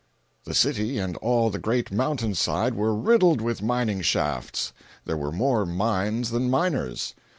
The city and all the great mountain side were riddled with mining shafts. There were more mines than miners.